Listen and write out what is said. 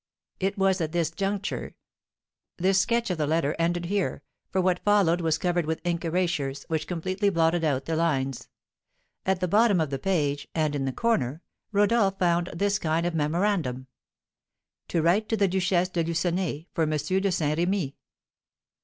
It was at this juncture " This sketch of the letter ended here, for what followed was covered with ink erasures, which completely blotted out the lines. At the bottom of the page, and in the corner, Rodolph found this kind of memorandum: "To write to the Duchesse de Lucenay, for M. de Saint Remy."